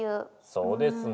そうですね。